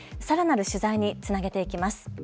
さらなる取材につなげていきます。